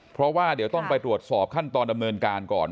เพราะว่าเดี๋ยวต้องไปตรวจสอบขั้นตอนดำเนินการก่อน